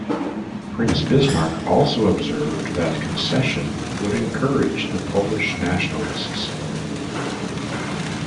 Prince Bismarck also observed that concession would encourage the Polish nationalists.